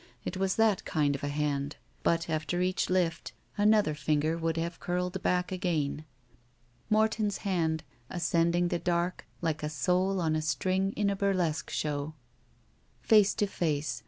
It was that kind of a hand. But after each lift, another finger would have curled bade again. Morton's hand, ascending the klark like a soul on a string in a burlesque show. Pace to face.